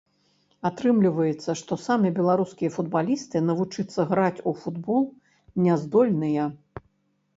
Атрымліваецца, што самі беларускія футбалісты навучыцца граць у футбол не здольныя.